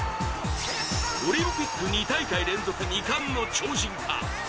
オリンピック２大会連続２冠の超人か。